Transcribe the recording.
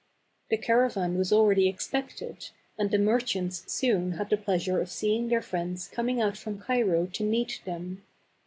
The caravan was already expected, and the merchants soon had the pleasure of seeing their friends coming out from Cairo to meet them.